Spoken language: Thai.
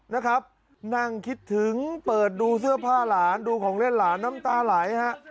นะครับนั่งคิดถึงเปิดดูเสื้อผ้าหลานดูของเล่นหลานน้ำตาไหลฮะ